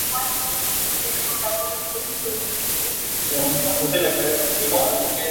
Las doncellas deben ser vírgenes.